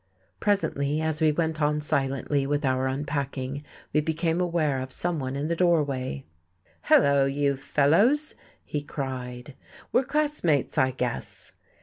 Presently, as we went on silently with our unpacking, we became aware of someone in the doorway. "Hello, you fellows!" he cried. "We're classmates, I guess."